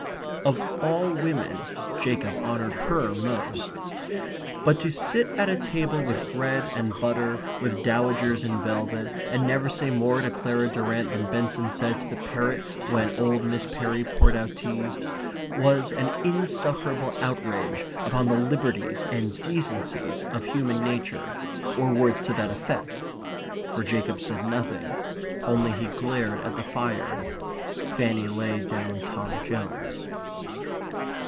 Of all women, Jacob honoured her most. But to sit at a table with bread and butter, with dowagers in velvet, and never say more to Clara Durrant than Benson said to the parrot when old Miss Perry poured out tea, was an insufferable outrage upon the liberties and decencies of human nature or words to that effect. For Jacob said nothing. Only he glared at the fire. Fanny laid down Tom Jones.